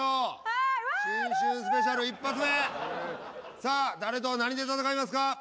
さあ誰と何で戦いますか？